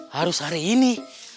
harus hari ini